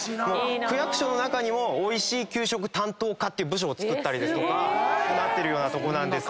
区役所の中にもおいしい給食担当課って部署もつくったりですとかなっているようなとこなんですね。